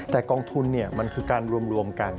แต่กองทุนมันคือการรวมกัน